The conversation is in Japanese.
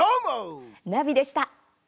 ナビでした。